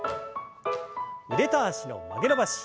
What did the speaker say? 腕と脚の曲げ伸ばし。